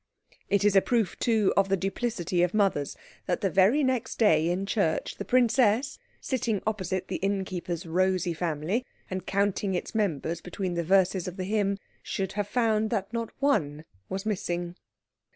It is a proof, too, of the duplicity of mothers, that the very next day in church the princess, sitting opposite the innkeeper's rosy family, and counting its members between the verses of the hymn, should have found that not one was missing.